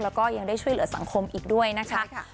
แล้วก็ยังได้ช่วยเหลือสังคมอีกด้วยนะคะ